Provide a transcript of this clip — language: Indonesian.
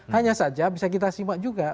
hanya saja bisa kita simak juga